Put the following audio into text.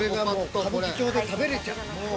◆それが歌舞伎町で食べられちゃう。